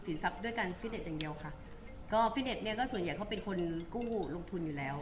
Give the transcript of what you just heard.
ทรัพย์ด้วยการฟิตเน็ตอย่างเดียวค่ะก็ฟิตเน็ตเนี่ยก็ส่วนใหญ่เขาเป็นคนกู้ลงทุนอยู่แล้ว